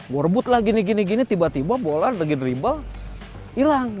gue rebut lah gini gini tiba tiba bola lagi drible hilang